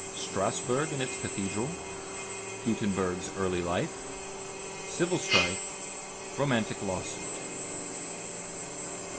Strasbourg and its Cathedral. Gutenberg's Early Life. Civil Strife. Romantic Lawsuit.